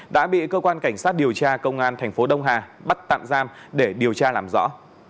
đã bị cơ quan cảnh sát điều tra công an thành phố đông hà bắt tạm giam để điều tra làm rõ